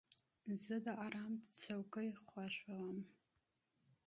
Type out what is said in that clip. زه د آرام څوکۍ خوښوم.